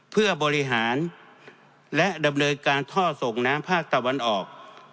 เพื่อบริหารและดำเนินการท่อส่งน้ำภาคตะวันออก